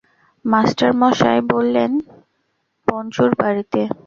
মাস্টারমশায় বললেন, পঞ্চুর বাড়িতে।